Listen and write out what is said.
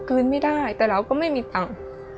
คืนไม่ได้แต่เราก็ไม่มีตังค์